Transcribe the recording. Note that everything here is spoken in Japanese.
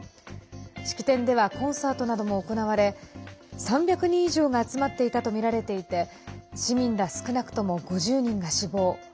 式典ではコンサートなども行われ３００人以上が集まっていたとみられていて市民ら少なくとも５０人が死亡。